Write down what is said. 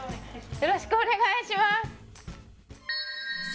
よろしくお願いします